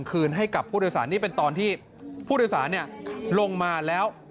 คืนให้กับผู้โดยสารนี่เป็นตอนที่ผู้โดยสารลงมาแล้ว